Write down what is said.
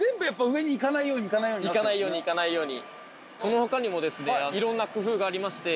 いかないようにいかないように。